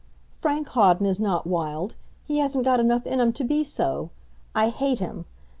Frank Hawden is not wild, he hasn't got enough in him to be so. I hate him.